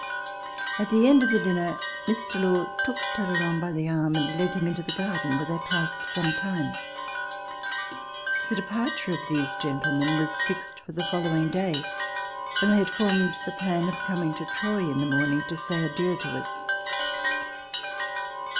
At the end of the dinner, Mr. Law took Talleyrand by the arm and led him into the garden where they passed some time. The dei)arture of these gentlemen was fixed for the following day, and they had formed the plan of coming to Troy in the morning to say adieu to us.